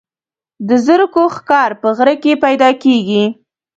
د زرکو ښکار په غره کې پیدا کیږي.